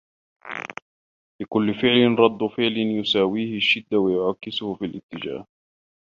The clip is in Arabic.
لكل فعل رد فعل يساويه الشدة و يعاكسه في الإتجاه